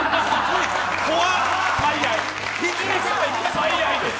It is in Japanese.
「最愛」です。